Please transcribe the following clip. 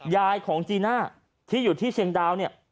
ยายของจีน่าที่อยู่ที่เชียงดาวเนี่ย